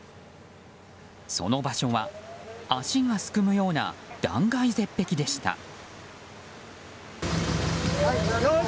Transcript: その場所は足がすくむような断崖絶壁でした。